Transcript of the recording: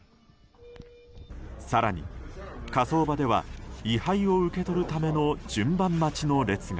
更に火葬場では、遺灰を受け取るための順番待ちの列が。